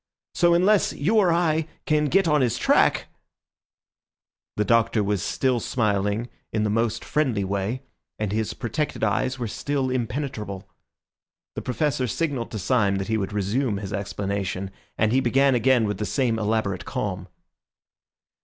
"So unless you or I can get on his track—" The Doctor was still smiling in the most friendly way, and his protected eyes were still impenetrable. The Professor signalled to Syme that he would resume his explanation, and he began again with the same elaborate calm.